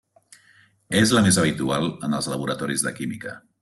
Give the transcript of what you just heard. És la més habitual en els laboratoris de química.